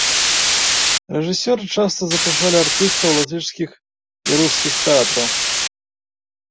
Рэжысёры часта запрашалі артыстаў латышскіх і рускіх тэатраў.